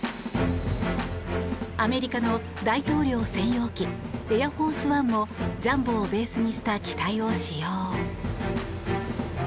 アメリカの大統領専用機エアフォース・ワンもジャンボをベースにした機体を使用。